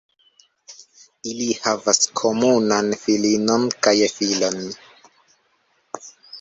Ili havas komunan filinon kaj filon.